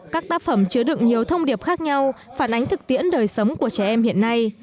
các tác phẩm chứa đựng nhiều thông điệp khác nhau phản ánh thực tiễn đời sống của trẻ em hiện nay